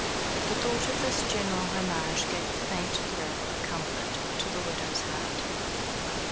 The thought of this general homage gave a faint thrill of comfort to the widow's heart.